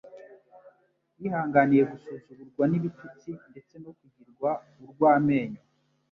yihanganira gusuzugurwa n'ibitutsi ndetse no kugirwa urw'amenyo;